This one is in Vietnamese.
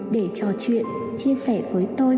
để trò chuyện chia sẻ với tôi